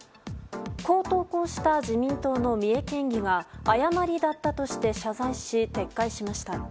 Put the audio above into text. こう投稿した自民党の三重県議は誤りだったとして謝罪し撤回しました。